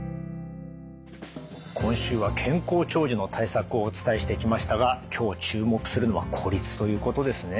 今週は健康長寿の対策をお伝えしてきましたが今日注目するのは孤立ということですね。